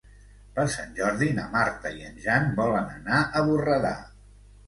Per Sant Jordi na Marta i en Jan volen anar a Borredà.